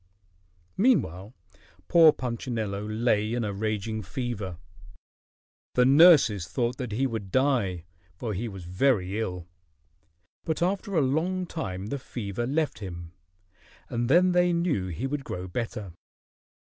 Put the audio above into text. Meanwhile poor Punchinello lay in a raging fever. The nurses thought that he would die, for he was very ill. But after a long time the fever left him, and then they knew he would grow better.